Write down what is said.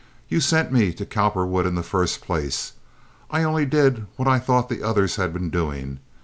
You sent me to Cowperwood in the first place. I only did what I thought the others had been doing.